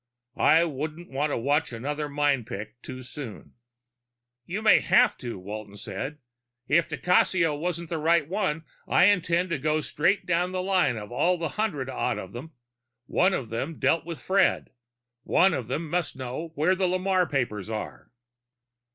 I wouldn't want to watch another mind picking too soon." "You may have to," Walton said. "If di Cassio wasn't the right one, I intend to go straight down the line on all hundred odd of them. One of them dealt with Fred. One of them must know where the Lamarre papers are."